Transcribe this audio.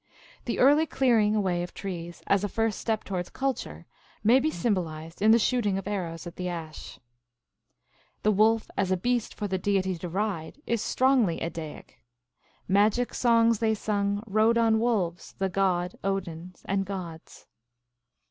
The early clearing away of trees, as a first step towards culture, may be symbolized in the shooting of arrows at the ash. The wolf, as a beast for the deity to ride, is strongly Eddaic. " Magic songs they sung, rode on*wolves, the god (Odin) and gods.